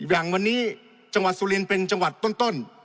อย่างวันนี้จังหวัดสุรินเป็นจังหวัดต้น